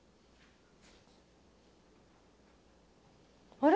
あれ？